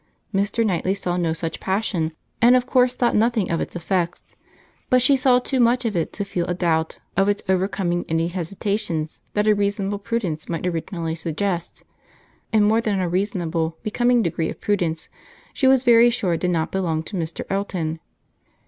Mr. Knightley saw no such passion, and of course thought nothing of its effects; but she saw too much of it to feel a doubt of its overcoming any hesitations that a reasonable prudence might originally suggest; and more than a reasonable, becoming degree of prudence, she was very sure did not belong to Mr. Elton.